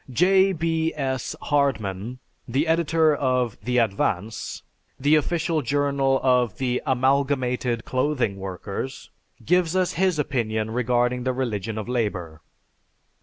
J. B. S. Hardman, the editor of The Advance, the official journal of the Amalgamated Clothing Workers, gives us his opinion regarding the religion of labor.